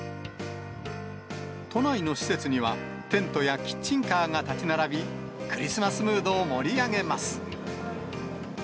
都内の施設には、テントやキッチンカーが建ち並び、クリスマスムードを盛り上げます。